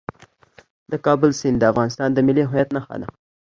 د کابل سیند د افغانستان د ملي هویت نښه ده.